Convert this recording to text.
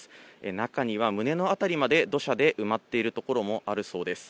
中には胸の辺りまで土砂で埋まっている所もあるそうです。